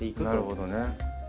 なるほどね。